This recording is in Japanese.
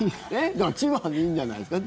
だから千葉でいいんじゃないんですか。